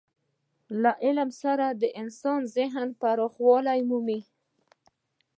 له علم سره د انسان ذهن پوخوالی مومي.